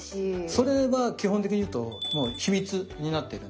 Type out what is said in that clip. それは基本的にいうともう秘密になってるんですね。